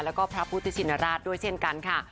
แล้วก็พระพุทธชินราชด้วยเช่นกันค่ะ